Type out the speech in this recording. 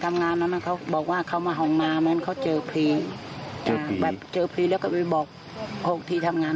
ทำงานปกติแต่เมื่อวานก่อนหายมีกินล่าว